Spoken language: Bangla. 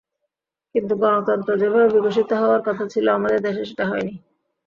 কিন্তু গণতন্ত্র যেভাবে বিকশিত হওয়ার কথা ছিল, আমাদের দেশে সেটা হয়নি।